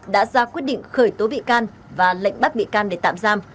đã ra quyết định khởi tố bị can và lệnh bắt bị can để tạm giam